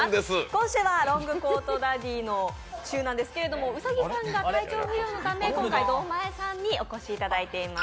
今週はロングコートダディの週なんですけど兎さんが体調不良のため今回、堂前さんにお越しいただいています。